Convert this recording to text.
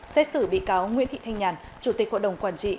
xét xử bị cáo nguyễn thị thanh nhàn chủ tịch hội đồng quản trị